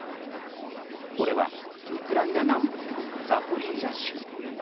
これは、ウクライナ南部のザポリージャ州。